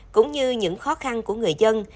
cũng như những khó khăn của người dân